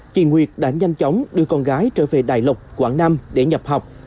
chị nguyệt đã nhanh chóng đưa con gái trở về đại lộc quảng nam để nhập học